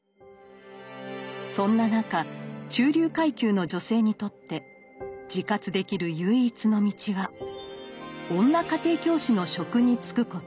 そんな中中流階級の女性にとって自活できる唯一の道は女家庭教師の職に就くこと。